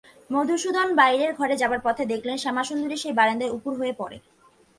মধুসূদন বাইরের ঘরে যাবার পথে দেখলে শ্যামাসুন্দরী সেই বারান্দায় উপুড় হয়ে পড়ে।